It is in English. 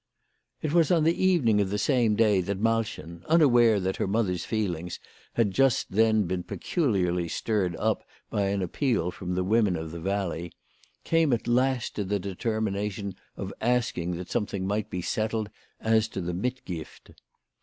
It was on the evening of that same day that Malchen, unaware that her mother's feelings had just then been peculiarly stirred up by an appeal from the women of the valley, came at last to the determination of asking that something might be settled as to the "mitgift."